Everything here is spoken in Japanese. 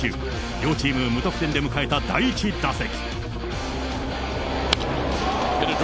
両チーム無得点で迎えた第１打席。